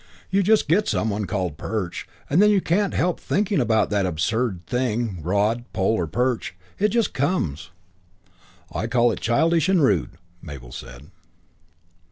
"You just get some one called Perch and then you can't help thinking of that absurd thing rod, pole or perch. It just comes." "I call it childish and rude," Mabel said.